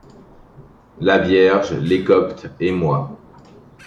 La Vierge, les Coptes et moi...